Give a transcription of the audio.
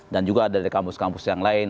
dan juga dari kampus kampus yang lain